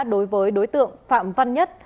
đối với đối tượng phạm văn nhất